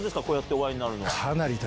お会いになるのは。